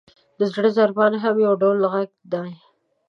• د زړه ضربان هم یو ډول ږغ دی.